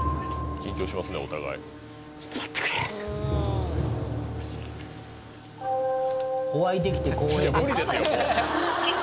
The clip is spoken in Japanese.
緊張しますねお互いちょっと待ってくれお会いできて光栄です